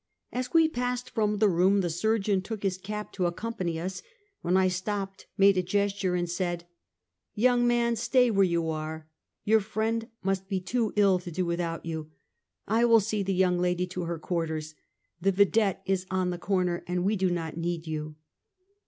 As we passed from the room, the surgeon took his cap to accompany us, wlien I stopped, made a gesture, and said: "Young man! stay where you are! Your friend must be too ill to do without you. I will see the young lady to her quarters. The vidette is on the corner, and we do not need you!